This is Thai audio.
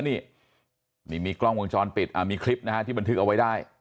นี่นี่มีกล้องวงจรปิดมีคลิปนะฮะที่บันทึกเอาไว้ได้